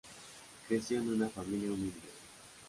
Creció en una familia humilde.